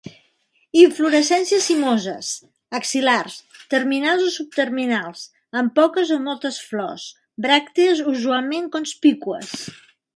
Inflorescències cimoses, axil·lars, terminals o subterminals, amb poques a moltes flors; bràctees usualment conspícues.